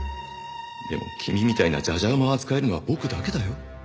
でも君みたいなじゃじゃ馬を扱えるのは僕だけだよ。